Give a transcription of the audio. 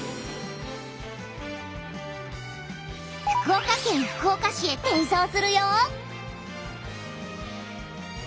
福岡県福岡市へ転送するよ！